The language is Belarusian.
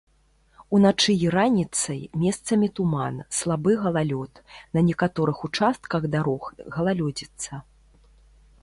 Уначы і раніцай месцамі туман, слабы галалёд, на некаторых участках дарог галалёдзіца.